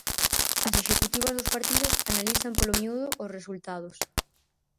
As executivas dos partidos analizan polo miúdo os resultados.